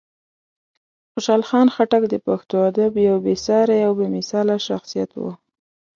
خوشحال خان خټک د پښتو ادب یو بېساری او بېمثاله شخصیت و.